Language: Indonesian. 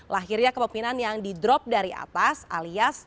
lahirnya kepemimpinan yang di drop dari atas alias